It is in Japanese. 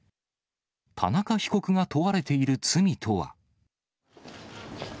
田中被告が問われている罪とは。